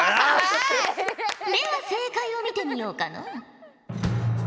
では正解を見てみようかのう。